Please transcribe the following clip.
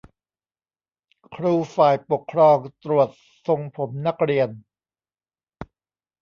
ครูฝ่ายปกครองตรวจทรงผมนักเรียน